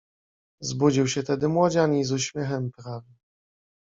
Zbudził się tedy młodzian i z uśmiechem prawi: